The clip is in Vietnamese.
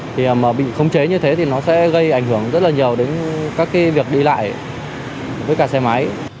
thì bị khống chế như thế thì nó sẽ gây ảnh hưởng rất là nhiều đến các cái việc đi lại với cả xe máy